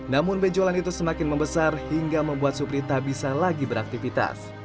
namun bejolan itu semakin membesar hingga membuat supri tak bisa lagi beraktivitas